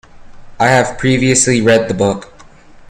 I have previously read the book.